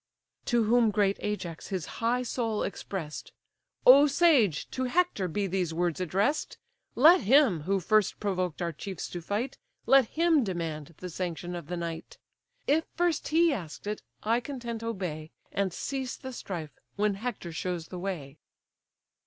To whom great Ajax his high soul express'd: "O sage! to Hector be these words address'd. Let him, who first provoked our chiefs to fight, Let him demand the sanction of the night; If first he ask'd it, I content obey, And cease the strife when Hector shows the way."